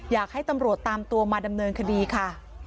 อยากให้ตำรวจตามตัวมาดำเนินคดีค่ะ